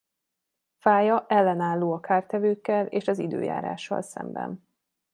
Fája ellenálló a kártevőkkel és az időjárással szemben.